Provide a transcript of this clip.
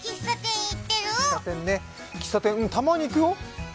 喫茶店、たまにいくよ。